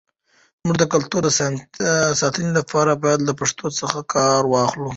زموږ د کلتور د ساتنې لپاره، باید له پښتو څخه کار واخلو.